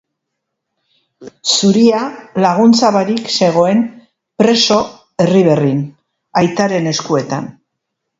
Zuria laguntza barik zegoen preso Erriberrin, aitaren eskuetan.